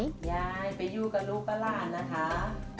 ยายไปอยู่กับลูกป้าลานะค่ะ